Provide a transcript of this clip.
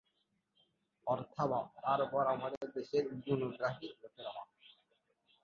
অর্থাভাব, তার উপর আমাদের দেশে গুণগ্রাহী লোকের অভাব।